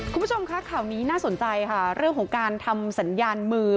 คุณผู้ชมคะข่าวนี้น่าสนใจค่ะเรื่องของการทำสัญญาณมือ